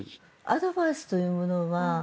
アドバイスというものは。